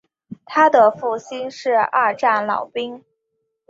他的父亲是二战老兵。